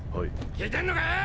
聞いてんのかよ！